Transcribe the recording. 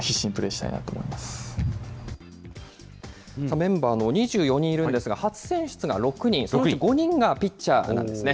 メンバー２４人いるんですが、初選出が６人、そのうち５人がピッチャーなんですね。